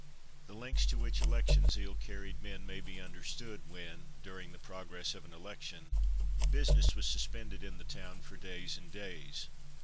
The lengths to which election zeal carried men may be understood, when, during the progress of an election, business was suspended in the town for days and days.